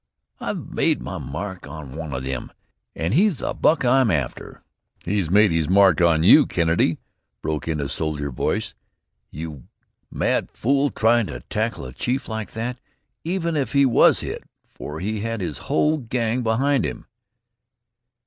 I've made my mark on wan o' thim, an' he's the buck I'm afther." "He's made his mark on you, Kennedy," broke in a soldier voice. "You mad fool, trying to tackle a chief like that even if he was hit, for he had his whole gang behind him."